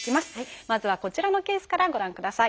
まずはこちらのケースからご覧ください。